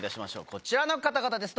こちらの方々です。